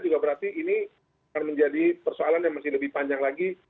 juga berarti ini akan menjadi persoalan yang masih lebih panjang lagi